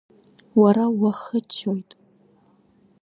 Уара уахыччоит.